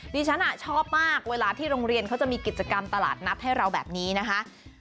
ดิฉันชอบมากเวลาที่โรงเรียนเขาจะมีกิจกรรมตลาดนัดให้เราแบบนี้นะคะ